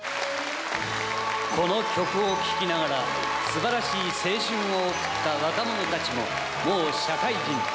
この曲を聴きながらすばらしい青春を送った若者たちももう社会人。